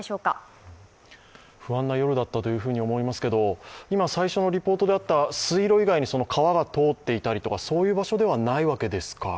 不安な夜だったと思いますけれども、今、最初のリポートであった水路以外に川が通っていたりとか、そういう場所ではないわけですか？